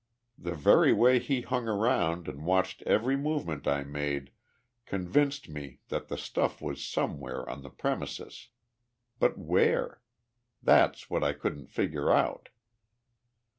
The very way he hung around and watched every movement I made convinced me that the stuff was somewhere on the premises. But where? That's what I couldn't figure out.